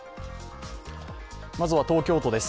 まずは、東京都です。